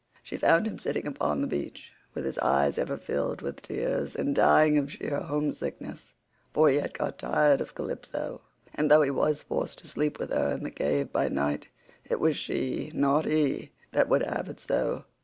She found him sitting upon the beach with his eyes ever filled with tears, and dying of sheer home sickness; for he had got tired of Calypso, and though he was forced to sleep with her in the cave by night, it was she, not he, that would have it so.